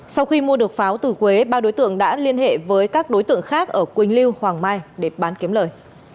sau khi mua được pháo từ quế ba đối tượng đã liên hệ với các đối tượng khác ở quỳnh lưu hoàng mai để bán kiếm lời